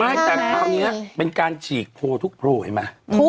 ไม่แต่คราวนี้เป็นการฉีกโพทุกโพลเห็นไหม